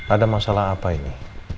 ada masalah apa ini